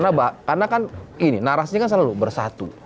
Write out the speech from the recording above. karena kan ini narasinya kan selalu bersatu